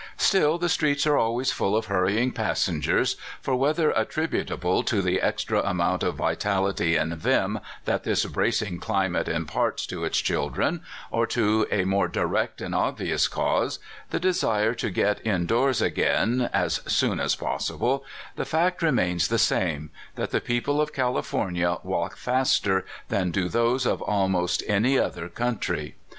Still the streets are always full of hurrying passengers ; for, whether attributable to the extra amount of vitality and vim that this bracing climate imparts to its chil dren, or to a more direct and obvious cause, the desire to get in doors again as soon as possible, the fact remains the same that the people of Califor nia walk faster than do those of almost any other country.